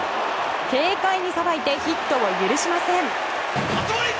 軽快にさばいてヒットを許しません。